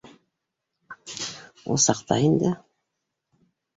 — Ул саҡта инде